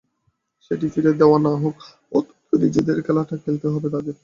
সেটি ফিরিয়ে দেওয়া না হোক অন্তত নিজেদের খেলাটা খেলতে হবে তাঁদের।